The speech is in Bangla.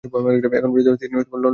এখন পর্যন্ত তিনি লন্ডনে বসবাস করছেন।